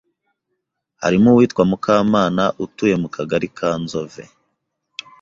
harimo uwitwa Mukamana utuye mu Kagali ka Nzove,